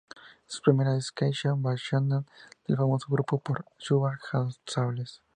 Su prima es Keisha Buchanan, del famoso grupo pop Sugababes.